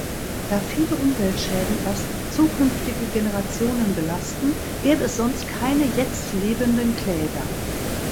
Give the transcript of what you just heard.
Da viele Umweltschäden erst zukünftige Generationen belasten, gäbe es sonst keine jetzt lebenden "Kläger".